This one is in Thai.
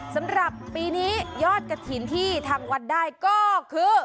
สำหรับปีนี้ยอดกระถิ่นที่ทางวัดได้ก็คือ